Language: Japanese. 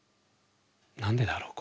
何でだろう